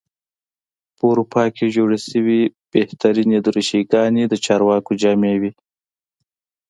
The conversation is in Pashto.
په اروپا کې جوړې شوې بهترینې دریشي ګانې د چارواکو جامې وې.